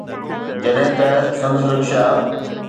جڏهن ته سندس رڪشا